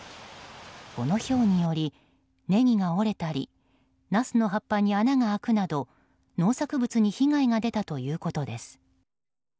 このひょうによりネギが折れたりナスの葉っぱに穴が開くなど農作物に被害が出たということです。